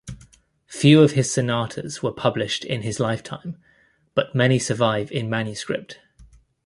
Few of his sonatas were published in his lifetime, but many survive in manuscript.